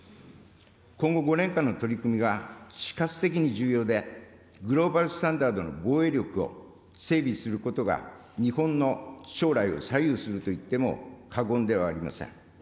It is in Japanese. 今後５年間の取り組みが死活的に重要で、グローバルスタンダードの防衛力を整備することが日本の将来を左右すると言っても過言ではありません。